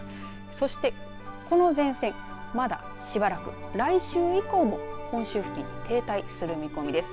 そしてこの前線まだ、しばらく来週以降も本州付近に停滞する見込みです。